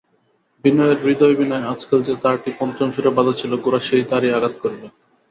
বিনয়ের হৃদয়বীণায় আজকাল যে তারটি পঞ্চম সুরে বাঁধা ছিল গোরা সেই তারেই আঘাত করিল।